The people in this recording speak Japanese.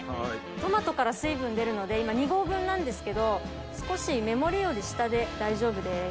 トマトから水分出るので今２合分なんですけど少し目盛りより下で大丈夫です。